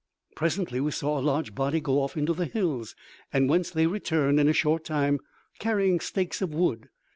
Presently we saw a large body go off into the hills, whence they returned in a short time, carrying stakes of wood.